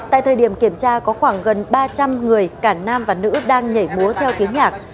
tại thời điểm kiểm tra có khoảng gần ba trăm linh người cả nam và nữ đang nhảy múa theo tiếng nhạc